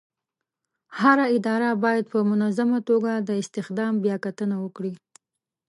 هره اداره باید په منظمه توګه د استخدام بیاکتنه وکړي.